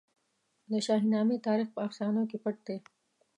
د شاهنامې تاریخ په افسانو کې پټ دی.